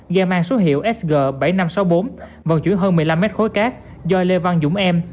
dây mang số hiệu sg bảy nghìn năm trăm sáu mươi bốn vận chuyển hơn một mươi năm mét khối cát do lê văn dũng em